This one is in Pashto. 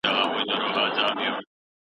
په قرآن کريم ځان پوهول فرض دي.